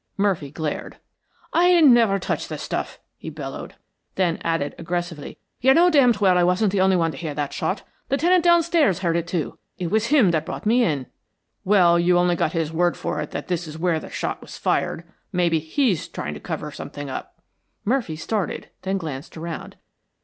Murphy glared. "I ain't never touched the stuff," he bellowed. Then added, aggressively, "You know damned well I wasn't the only one to hear that shot. The tenant downstairs heard it, too. It was him that brought me in." "Well, you only got his word for it that this is where the shot, was fired. Maybe HE'S trying to cover something up." Murphy started, then glanced around.